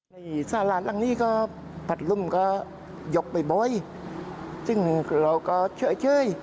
ในศาลานด์อันนี้ก็ผลัดรุ่มก็หยกบ่อยซึ่งเราก็ช่วย